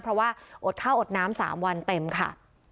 เพราะว่าอดข้าวอดน้ำ๓วันเต็มค่ะ